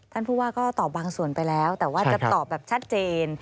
ท่านผู้ว่าก็ตอบบางส่วนไปแล้วแต่ว่าจะตอบแบบชัดเจน